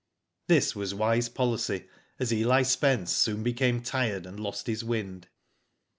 This was wise policy, as Eli Spence soon became tired, and lost his wind.